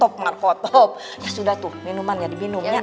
bapak sama anak tuh